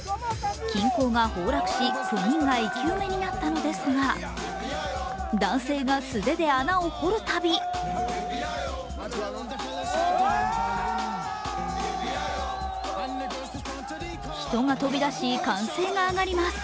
金鉱が崩落し、９人が生き埋めになったのですが、男性が素手で穴を掘るたび人が飛び出し、歓声が上がります。